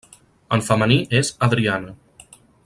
En femení és Adriana.